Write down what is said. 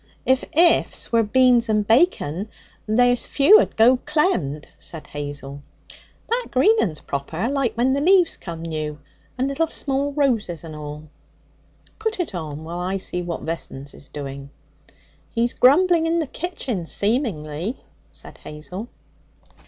'If ifs were beans and bacon, there's few'd go clemmed,' said Hazel. 'That green un's proper, like when the leaves come new, and little small roses and all.' Put it on while I see what Vessons is doing.' 'He's grumbling in the kitchen, seemingly,' said Hazel.